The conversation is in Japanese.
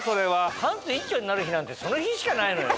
パンツ一丁になる日なんてその日しかないのよ。